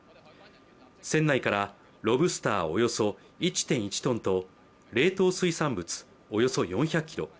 船内からロブスターおよそ１．１トンと冷凍水産物およそ４００キロ。